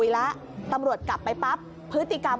แล้วก็ต่อยกับพนักงานที่ร้าน